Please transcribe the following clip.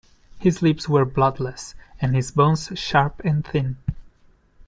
His lips were bloodless, and his bones sharp and thin.